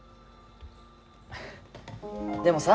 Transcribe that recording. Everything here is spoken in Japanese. でもさ。